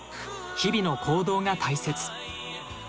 日々の行動が大切」。